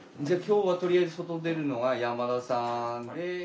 じゃあ今日はとりあえず外出るのが山田さんで。